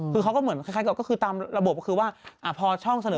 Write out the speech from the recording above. คือเขาก็เหมือนคล้ายกับก็คือตามระบบก็คือว่าพอช่องเสนอ